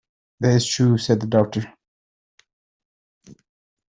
"That is true," said the doctor.